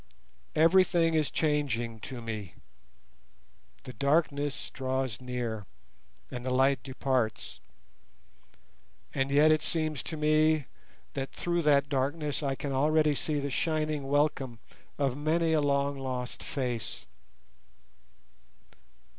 Everything is changing to me. The darkness draws near, and the light departs. And yet it seems to me that through that darkness I can already see the shining welcome of many a long lost face.